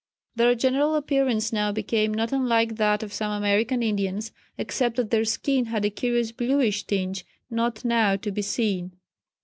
Their general appearance now became not unlike that of some American Indians, except that their skin had a curious bluish tinge not now to be seen.